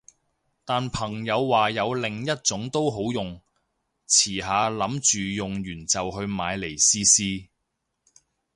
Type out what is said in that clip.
但朋友話有另一種都好用，遲下諗住用完就去買嚟試試